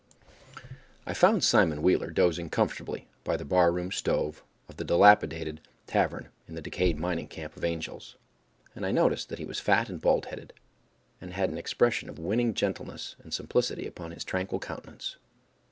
I found Simon Wheeler dozing comfortably by the bar room stove of the dilapidated tavern in the decayed mining camp of Angel's, and I noticed that he was fat and bald headed, and had an expression of winning gentleness and simplicity upon his tranquil countenance.